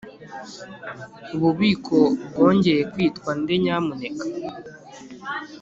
Ububiko bwongeye kwitwa nde nyamuneka